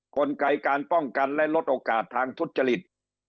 กลไกการป้องกันและลดโอกาสทางทุจริต